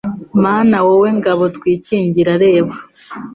Mana wowe ngabo twikingira reba